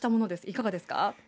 いかがですか？